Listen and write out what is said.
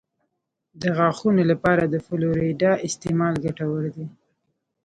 د غاښونو لپاره د فلورایډ استعمال ګټور دی.